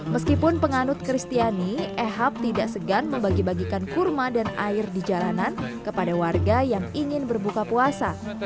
meskipun penganut kristiani ehab tidak segan membagi bagikan kurma dan air di jalanan kepada warga yang ingin berbuka puasa